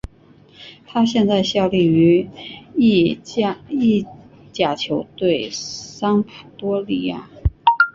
他现在效力于意甲球队桑普多利亚。